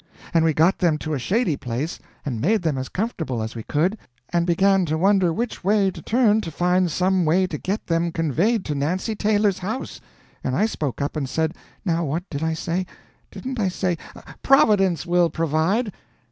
And we got them to a shady place and made them as comfortable as we could, and began to wonder which way to turn to find some way to get them conveyed to Nancy Taylor's house. And I spoke up and said now what did I say? Didn't I say, 'Providence will provide'?"